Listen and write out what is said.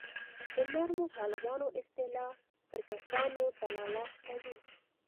د نرمو طالبانو اصطلاح پر کسانو دلالت کوي.